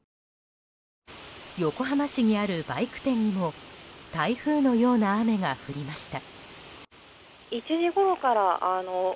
横浜市にあるバイク店にも台風のような雨が降りました。